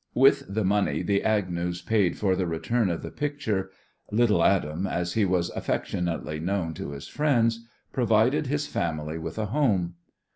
With the money the Agnews paid for the return of the picture, "Little Adam " as he was affectionately known to his friends provided his family with a home.